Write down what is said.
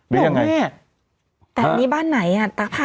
พี่ผมพ่อเมแต่อันนี้บ้านไหนอะ